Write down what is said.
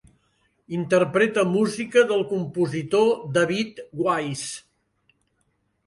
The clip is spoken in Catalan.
Interpreta música del compositor David Wise.